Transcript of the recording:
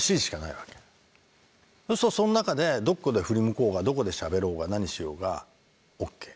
そうするとその中でどこで振り向こうがどこでしゃべろうが何しようがＯＫ。